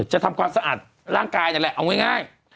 ทำความสะอาดร่างกายนั่นแหละเอาง่าย